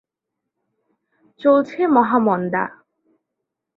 চলছে মহামন্দা।